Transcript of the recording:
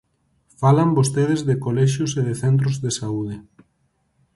Falan vostedes de colexios e de centros de saúde.